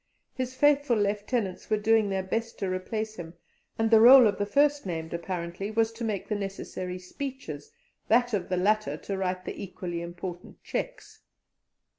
His faithful lieutenants were doing their best to replace him, and the rôle of the first named, apparently, was to make the necessary speeches, that of the latter to write the equally important cheques.